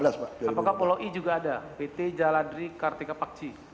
apakah pulau i juga ada pt jaladri kartika pakci